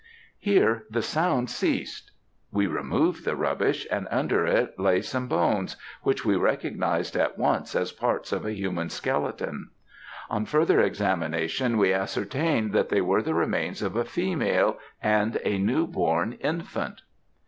Here the sound ceased. We removed the rubbish, and under it lay some bones, which we recognised at once as parts of a human skeleton. On further examination, we ascertained that they were the remains of a female and a new born infant.